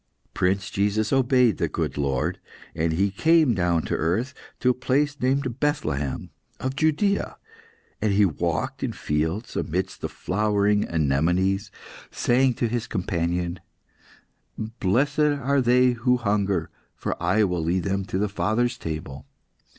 "Prince Jesus obeyed the good Lord, and He came down to earth, to a place named Bethlehem of Judaea. And He walked in fields, amidst the flowering anemones, saying to His companion "'Blessed are they who hunger, for I will lead them to My Father's table!